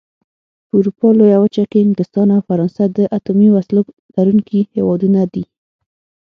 په اروپا لويه وچه کې انګلستان او فرانسه د اتومي وسلو لرونکي هېوادونه دي.